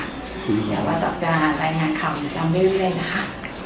เดี๋ยววัดดอกจะรายงานคำตามเรื่องนี้เลยนะคะ